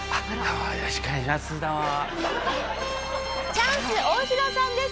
チャンス大城さんです。